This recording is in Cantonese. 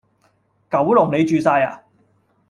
九龍你住曬呀！